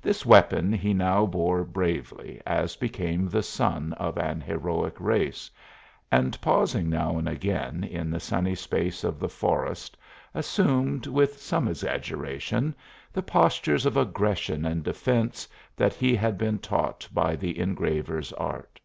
This weapon he now bore bravely, as became the son of an heroic race, and pausing now and again in the sunny space of the forest assumed, with some exaggeration, the postures of aggression and defense that he had been taught by the engraver's art.